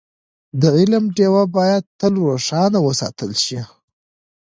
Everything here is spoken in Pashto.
د علم ډېوه باید تل روښانه وساتل شي.